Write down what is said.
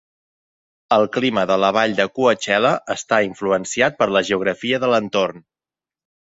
El clima de la vall de Coachella està influenciat per la geografia de l'entorn.